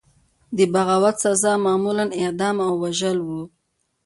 د بغاوت سزا معمولا اعدام او وژل وو.